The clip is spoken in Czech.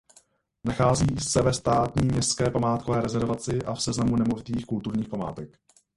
Nachází se ve státní městské památkové rezervaci a v seznamu nemovitých kulturních památek.